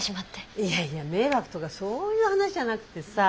いやいや迷惑とかそういう話じゃなくてさあ。